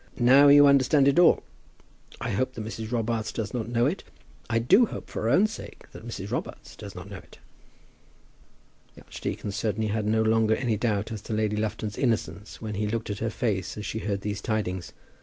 Now you understand it all. I hope that Mrs. Robarts does not know it. I do hope for her own sake that Mrs. Robarts does not know it." The archdeacon certainly had no longer any doubt as to Lady Lufton's innocence when he looked at her face as she heard these tidings.